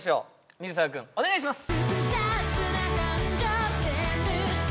水沢君お願いします